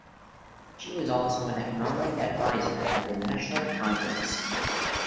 She was also an economic advisor at the National Congress.